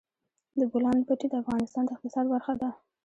د بولان پټي د افغانستان د اقتصاد برخه ده.